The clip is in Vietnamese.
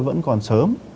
vẫn còn sớm